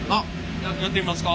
やってみますか？